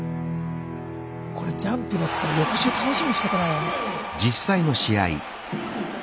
これ「ジャンプ」載ってたら翌週楽しみでしかたないわ。